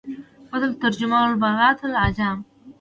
افضل التراجم بالغت العاجم